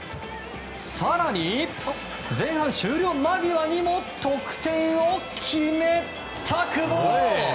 更に前半終了間際にも得点を決めた久保。